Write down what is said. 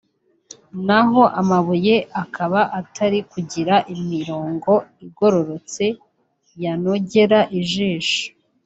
naho amabuye akaba atari kugira imirongo igororotse yanogera ijisho